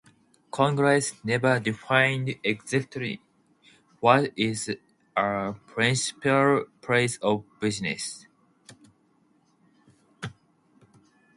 Congress never defined exactly what is a principal place of business.